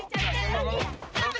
cacet lagi ya